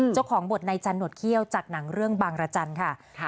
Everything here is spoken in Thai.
เจ้าของบทนายจันทวดเขี้ยวจากหนังเรื่องบางรจันทร์ค่ะ